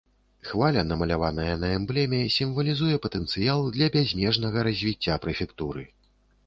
Хваля, намаляваная на эмблеме, сімвалізуе патэнцыял для бязмежнага развіцця прэфектуры.